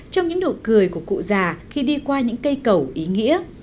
trong những nụ cười của cụ già khi đi qua những cây cầu ý nghĩa